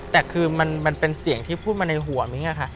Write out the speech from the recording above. แต่คือมันเป็นเสียงที่พูดมาในหัวมิ้งค่ะ